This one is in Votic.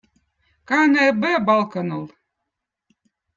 kana eb õõ balkonõll